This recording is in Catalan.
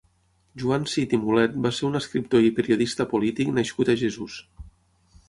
Joan Cid i Mulet va ser un escriptor i periodista polític nascut a Jesús.